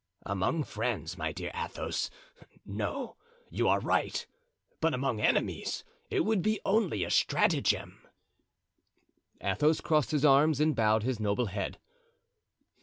"Among friends, my dear Athos, no, you are right; but among enemies it would be only a stratagem." Athos crossed his arms and bowed his noble head.